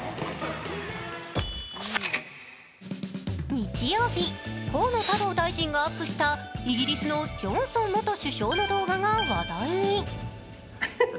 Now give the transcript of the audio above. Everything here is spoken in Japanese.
日曜日、河野太郎大臣がアップしたイギリスのジョンソン元首相の動画が話題に。